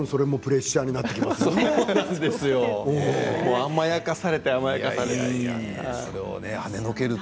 甘やかされて甘やかされて。